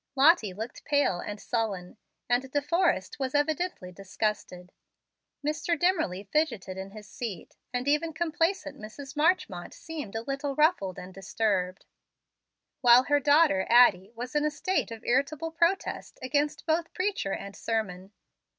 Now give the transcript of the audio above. Lottie looked pale and sullen, and De Forrest was evidently disgusted. Mr. Dimmerly fidgeted in his seat, and even complacent Mrs. Marchmont seemed a little ruffled and disturbed, while her daughter Addie was in a state of irritable protest against both preacher and sermon.